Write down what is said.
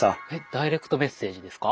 ダイレクトメッセージですか？